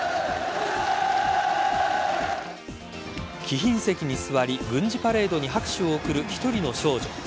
貴賓席に座り軍事パレードに拍手を送る１人の少女。